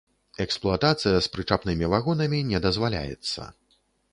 Эксплуатацыя з прычапнымі вагонамі не дазваляецца.